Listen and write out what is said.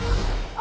あ！